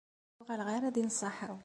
Ur ttuɣaleɣ ara di nnṣaḥa-w.